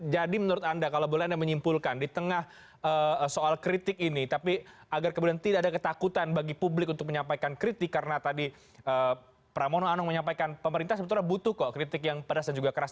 menurut anda kalau boleh anda menyimpulkan di tengah soal kritik ini tapi agar kemudian tidak ada ketakutan bagi publik untuk menyampaikan kritik karena tadi pramono anung menyampaikan pemerintah sebetulnya butuh kok kritik yang pedas dan juga keras